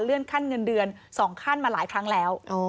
เลื่อนขั้นเงินเดือนสองขั้นมาหลายครั้งแล้ว